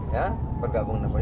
ya bergabung dengan pan